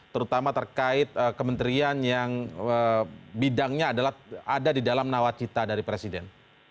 terutama terkait kementerian yang bidangnya adalah ada di dalam nawacita dari presiden